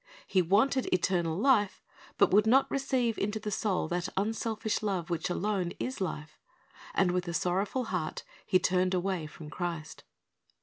He wanted eternal life, but would not receive into the soul that unselfish l()\c which alone is life, and with a sorrowful heart he turned away from Christ.